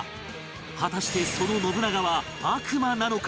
果たしてその信長は悪魔なのか？